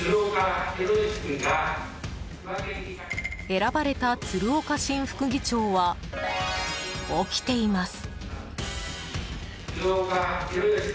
選ばれた鶴岡新副議長は起きています。